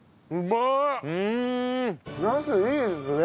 ナスいいですね。